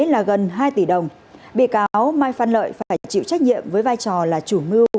là gần hai tỷ đồng bị cáo mai phan lợi phải chịu trách nhiệm với vai trò là chủ mưu